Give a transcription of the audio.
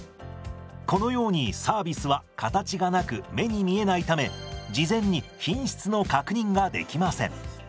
このようにサービスは形がなく目に見えないため事前に品質の確認ができません。